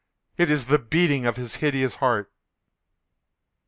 —It is the beating of his hideous heart!"